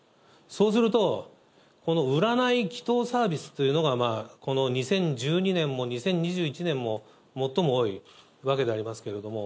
そうすると、この占い・祈とうサービスというのが、この２０１２年も２０２１年も最も多いわけでありますけれども、